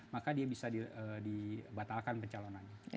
maka dia bisa dibatalkan pencalonannya